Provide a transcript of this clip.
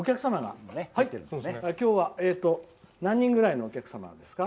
今日は何人ぐらいのお客様ですか？